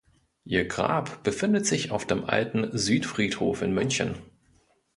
Ihr Grab befindet sich auf dem Alten Südfriedhof in München.